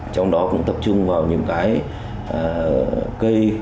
trong đó cũng tập trung vào những cái cây